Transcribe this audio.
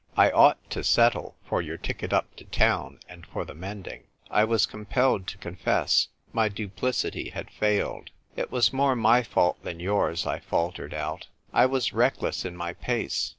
I ought to settle for your ticket up to town, and for the mending." I was compelled to confess. My duplicity had failed. " It was more my fault than yours," I faltered out. " I was reckless in my pace.